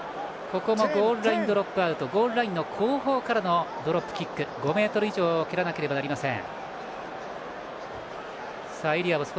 ここもゴールラインドロップアウトゴールラインの後方からのドロップキック５ｍ以上蹴らなければなりません。